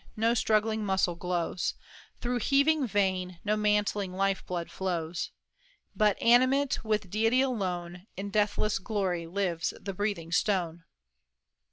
no struggling muscle glows, Through heaving vein no mantling life blood flows; But, animate with deity alone, In deathless glory lives the breathing stone."